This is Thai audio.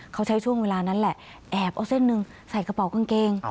เขาใช้ช่วงเวลานั้นแหละแอบเอาเส้นหนึ่งใส่กระเป๋ากางเกง